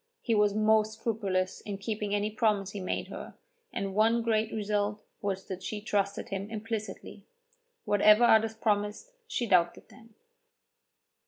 He was most scrupulous in keeping any promise he made her, and one great result was that she trusted him implicitly. Whatever others promised, she doubted them.